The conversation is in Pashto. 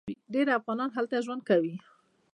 ډیر افغانان هلته ژوند کوي.